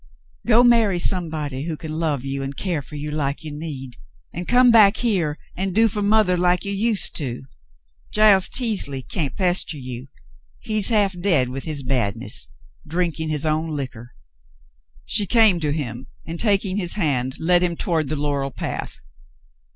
Go marry somebody who can love you and care for you like you need, and come back here and do for mother like you used to. Giles Teasley can't pester you. He's half dead with his badness — drinking his own liquor." She came to him, and, taking his hand, led him toward the laurel path.